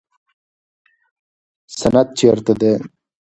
سند چیرته دی؟